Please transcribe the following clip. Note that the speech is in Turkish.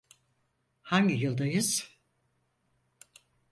Hangi yıldayız?